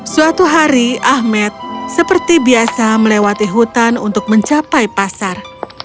suatu hari ahmed seperti biasa melewati hutan untuk mencapai pasar